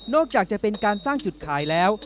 จะเป็นการสร้างจุดขายแล้ว